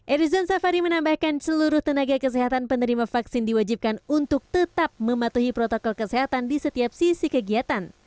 erizon safari menambahkan seluruh tenaga kesehatan penerima vaksin diwajibkan untuk tetap mematuhi protokol kesehatan di setiap sisi kegiatan